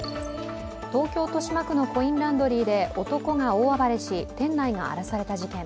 東京・豊島区のコインランドリーで男が大暴れし、店内が荒らされた事件。